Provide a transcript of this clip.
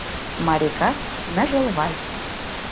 Марий кас — Ныжыл вальс.